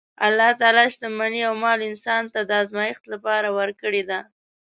الله تعالی شتمني او مال انسان ته د ازمایښت لپاره ورکړې ده.